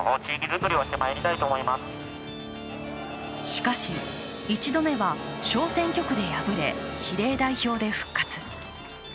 しかし、１度目は小選挙区で敗れ、比例代表で復活。